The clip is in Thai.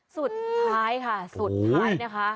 สุดท้ายค่ะสุดท้ายนะคะ